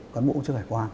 cán bộ công chức hải quan